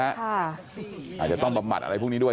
อาจจะต้องประมาทอะไรพวกนี้ด้วย